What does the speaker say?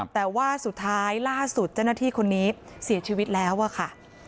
แต่ว่าสุดท้ายล่าสุดเจ้าหน้าที่คนนี้เสียชีวิตแล้วอะค่ะ